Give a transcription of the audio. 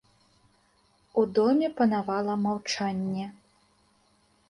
У доме панавала маўчанне.